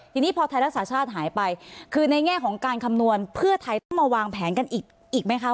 ทีนี้พอไทยรักษาชาติหายไปคือในแง่ของการคำนวณเพื่อไทยต้องมาวางแผนกันอีกไหมคะ